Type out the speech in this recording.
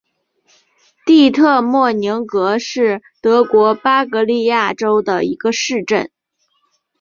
蒂特莫宁格是德国巴伐利亚州的一个市镇。